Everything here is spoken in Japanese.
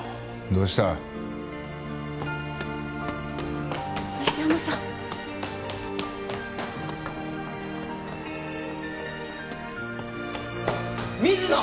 どうしたの？